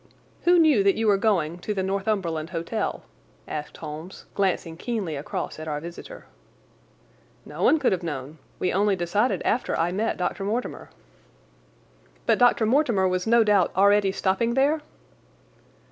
"Who knew that you were going to the Northumberland Hotel?" asked Holmes, glancing keenly across at our visitor. "No one could have known. We only decided after I met Dr. Mortimer." "But Dr. Mortimer was no doubt already stopping there?"